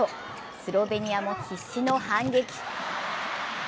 スロベニアも必死の反撃。